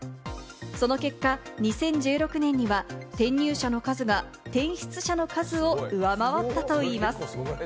その結果、２０１６年には転入者の数が転出者の数を上回るといいます。